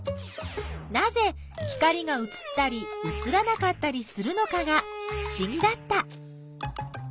なぜ光がうつったりうつらなかったりするのかがふしぎだった。